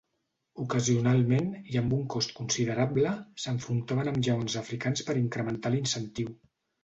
Ocasionalment, i amb un cost considerable, s'enfrontaven amb lleons africans per incrementar l'incentiu.